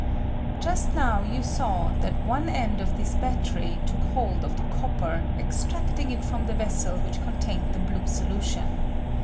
Just now you saw that one end of this battery took hold of the copper, extracting it from the vessel which contained the blue solution.